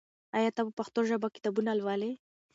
آیا ته په پښتو ژبه کتابونه لولې؟